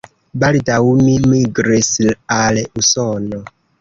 Baldaŭ li migris al Usono.